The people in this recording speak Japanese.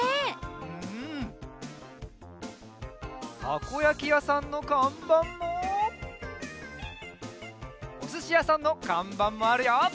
たこやきやさんのかんばんもおすしやさんのかんばんもあるよ！